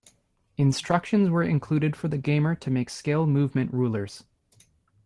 Instructions were included for the gamer to make scale movement rulers.